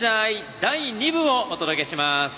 第２部をお届けします。